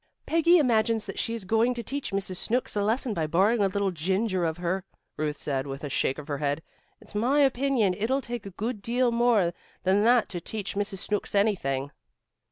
"Peggy imagines that she's going to teach Mrs. Snooks a lesson by borrowing a little ginger of her," Ruth said with a shake of her head. "It's my opinion it'll take a good deal more than that to teach Mrs. Snooks anything."